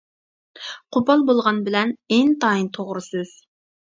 قوپال بولغان بىلەن ئىنتايىن توغرا سۆز!